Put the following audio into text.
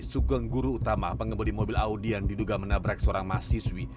sugeng guru utama pengemudi mobil audi yang diduga menabrak seorang mahasiswi